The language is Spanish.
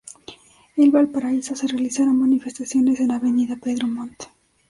En Valparaíso, se realizaron manifestaciones en Avenida Pedro Montt.